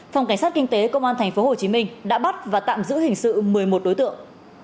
phòng cảnh sát kinh tế công an tp hcm đã bắt và tạm giữ hình sự một mươi một đối tượng